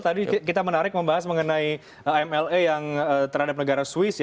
tadi kita menarik membahas mengenai mla yang terhadap negara swiss